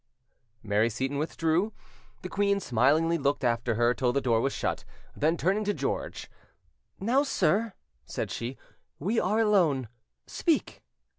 Mary Seyton withdrew; the queen smilingly looked after her, till the door was shut; then, turning to George— "Now, sir," said she, "we are alone, speak."